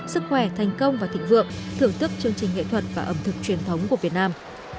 sức khỏe thành công và thịnh vượng thưởng thức chương trình nghệ thuật và ẩm thực truyền thống của việt nam